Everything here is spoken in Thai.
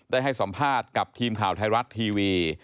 ได้ให้สัมภาษณ์กับทีมข่าวไทยรัฐทีวี